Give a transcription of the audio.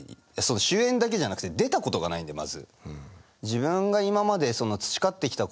主演だけじゃなくて出たことがないんでまず。